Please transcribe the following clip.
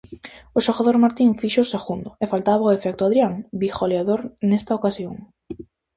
O xuvenil Martín fixo o segundo, e faltaba o efecto Adrián, bigoleador nesta ocasión.